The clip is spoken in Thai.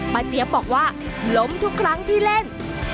เจี๊ยบบอกว่าล้มทุกครั้งที่เล่น